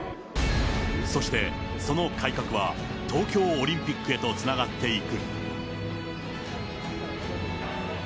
そして、その改革は、東京オリンピックへとつながっていく。